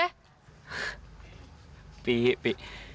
hah pi pi